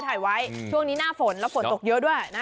ถ่ายไว้ช่วงนี้หน้าฝนแล้วฝนตกเยอะด้วยนะ